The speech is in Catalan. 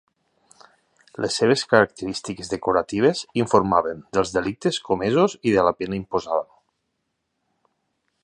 Les seves característiques decoratives informaven dels delictes comesos i de la pena imposada.